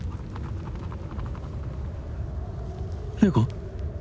玲子？